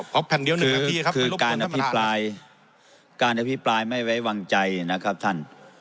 ครับท่านเดี๋ยวหนึ่งครับพี่ครับคือการอภิปรายไม่ไว้วางใจนะครับท่าน